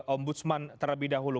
om budsman terlebih dahulu